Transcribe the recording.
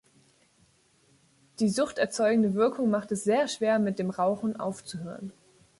Die suchterzeugende Wirkung macht es sehr schwer, mit dem Rauchen aufzuhören.